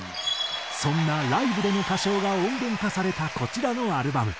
そんなライブでの歌唱が音源化されたこちらのアルバム。